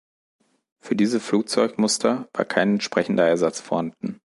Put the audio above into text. Für diese Flugzeugmuster war kein entsprechender Ersatz vorhanden.